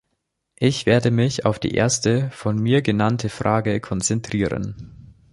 Ich werde mich auf die erste von mir genannte Frage konzentrieren.